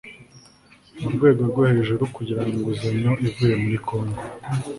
murwego rwo hejuru kugirango inguzanyo ivuye muri congo